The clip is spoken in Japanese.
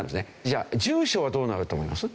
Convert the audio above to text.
じゃあ住所はどうなると思います？